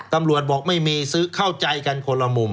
ตำรวจบอกไม่มีซื้อเข้าใจกันคนละมุม